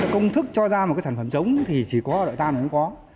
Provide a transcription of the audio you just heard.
công thức cho ra một cái sản phẩm trống thì chỉ có đội tan cũng có